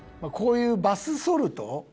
こういうバスソルト？